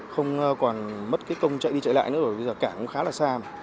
không còn mất công chạy đi chạy lại nữa bởi vì cảng cũng khá là xa